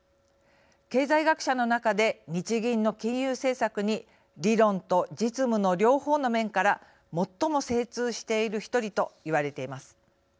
経済学者の中で日銀の金融政策に理論と実務の両方の面から最も精通している一人と言われています。